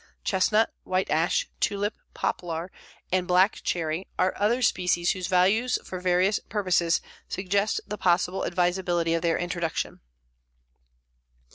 Chestnut, white ash, tulip, poplar and black cherry are other species whose value for various purposes suggests the possible advisability of their introduction.